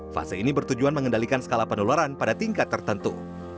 fase ini bertujuan mengendalikan skala penularan pada tingkat tertentu